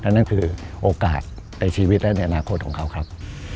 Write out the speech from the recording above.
นั่นคือโอกาสในชีวิตและในอนาคตของเขาครับ